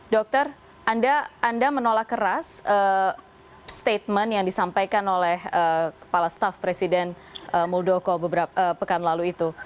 dokter anda menolak keras statement yang disampaikan oleh kepala staf presiden muldoko beberapa pekan lalu itu